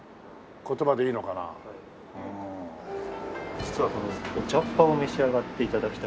実はこのお茶っ葉を召し上がって頂きたくて。